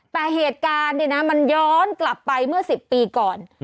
แต่เหตุการณ์เนี่ยนะมันย้อนกลับไปเมื่อ๑๐ปีก่อน